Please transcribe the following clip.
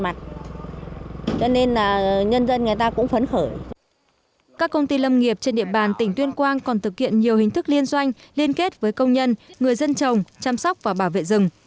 các công ty lâm nghiệp trên địa bàn tỉnh tuyên quang còn thực hiện nhiều hình thức liên doanh liên kết với công nhân người dân trồng chăm sóc và bảo vệ rừng